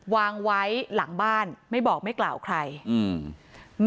วางไว้หลังบ้านไม่บอกไม่กล่าวใครอืม